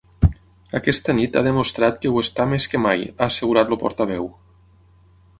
Aquesta nit ha demostrat que ho està més que mai, ha assegurat el portaveu.